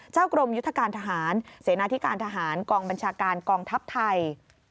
กรมยุทธการทหารเสนาธิการทหารกองบัญชาการกองทัพไทย